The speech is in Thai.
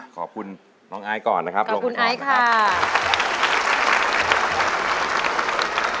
ขอบคุณน้องไอ้ก่อนนะคะลงภายการของแน็ต